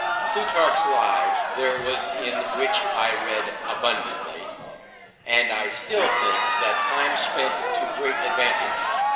Plutarch's Lives there was in which I read abundantly, and I still think that time spent to great advantage.